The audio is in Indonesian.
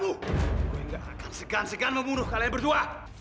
gue gak akan segan segan membunuh kalian berdua